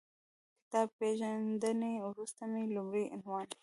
کتاب پېژندنې وروسته مې لومړی عنوان